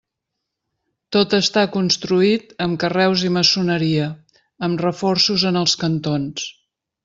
Està tot construït amb carreus i maçoneria, amb reforços en els cantons.